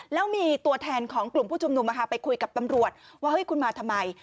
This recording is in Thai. แล้วมีตัวแทนของกลุ่มผู้ชุมนุมไปคุยกับตำรวจว่าเฮ้ยคุณมาทำไม